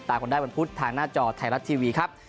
ต่างกว่าได้บนพุทธ์ทางหน้าจอไทยรัสทีวีครับ